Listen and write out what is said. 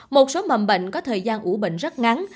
một số mầm bệnh có thời gian ủ bệnh rất ngắn